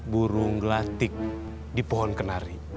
burung glatik di pohon kenari